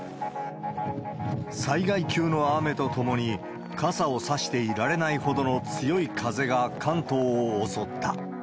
災害級の雨とともに、傘を差していられないほどの強い風が関東を襲った。